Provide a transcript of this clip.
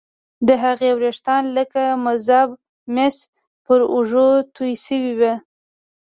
د هغې ويښتان لکه مذاب مس پر اوږو توې شوي وو